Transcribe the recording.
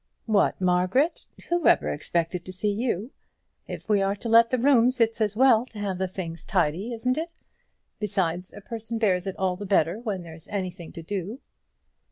"What, Margaret! Whoever expected to see you? If we are to let the rooms, it's as well to have the things tidy, isn't it? Besides, a person bears it all the better when there's anything to do."